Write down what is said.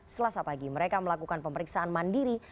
selasa pagi mereka melakukan pemeriksaan mandiri